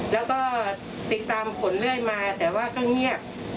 แล้วก็ติดตามผลเรื่อยมาแต่ว่าก็เงียบ